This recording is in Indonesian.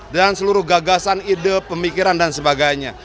dengan seluruh gagasan ide pemikiran dan sebagainya